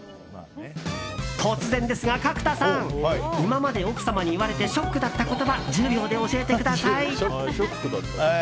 突然ですが、角田さん。今まで奥様に言われてショックだった言葉１０秒で教えてください。